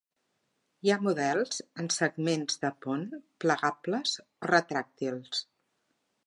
Hi ha models amb segments de pont plegables o retràctils.